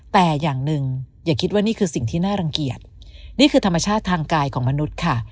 แต่อย่างหนึ่งอย่าคิดว่านี่คือสิ่งที่น่ารังเกียจนี่คือธรรมชาติทางกายของมนุษย์ค่ะ